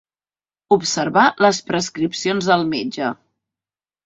Observar les prescripcions del metge.